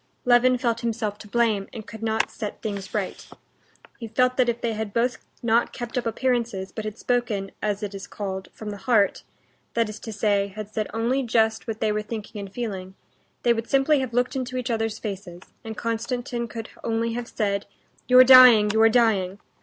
Levin felt himself to blame, and could not set things right. He felt that if they had both not kept up appearances, but had spoken, as it is called, from the heart—that is to say, had said only just what they were thinking and feeling—they would simply have looked into each other's faces, and Konstantin could only have said, "You're dying, you're dying!"